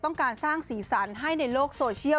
ต้องการสร้างสีสันให้ในโลกโซเชียล